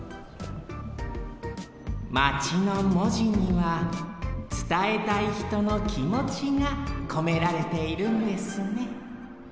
まちのもじにはつたえたいひとのきもちがこめられているんですね